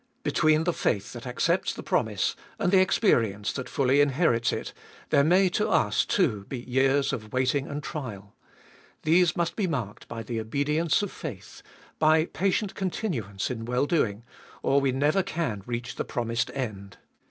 Between the faith that accepts the promise and the experience that fully inherits it, there may to us, too, be years of waiting and trial. These must be marked by the obedience of 416 Sbe Tboliest of BU faith, by " patient continuance in well doing," or we never can reach the promised end.